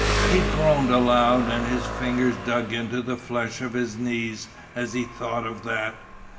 _ He groaned aloud, and his fingers dug into the flesh of his knees as he thought of that.